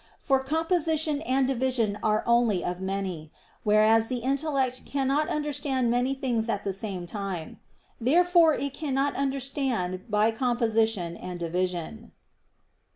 For composition and division are only of many; whereas the intellect cannot understand many things at the same time. Therefore it cannot understand by composition and division.